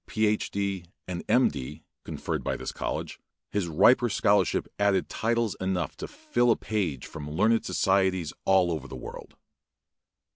Ph. D., and M. D., conferred by this college, his riper scholarship added titles enough to fill a page from learned societies all over the world.